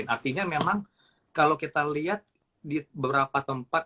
artinya memang kalau kita lihat di beberapa tempat